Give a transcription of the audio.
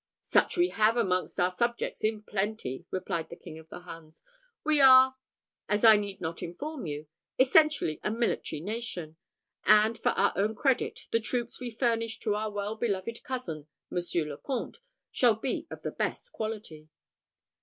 "Such have we amongst our subjects in plenty," replied the King of the Huns. "We are, as I need not inform you, essentially a military nation; and for our own credit, the troops we furnish to our well beloved cousin, Monsieur le Comte, shall be of the best quality."